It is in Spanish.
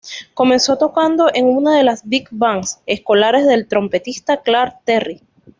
Comenzó tocando en una de las "big bands" escolares del trompetista Clark Terry.